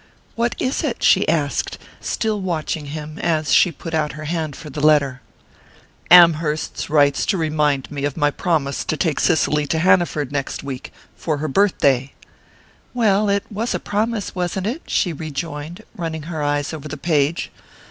"What is it?" she asked, still watching him as she put out her hand for the letter. "Amherst writes to remind me of my promise to take Cicely to Hanaford next week, for her birthday." "Well it was a promise, wasn't it?" she rejoined, running her eyes over the page.